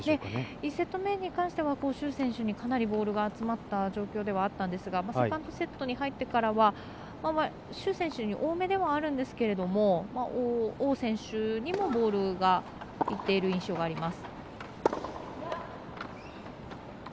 １セット目に関しては朱選手にかなりボールが集まった状況ではあったんですがセカンドセットに入ってからは朱選手に多めではあるんですが王選手にもボールがいっている印象があります。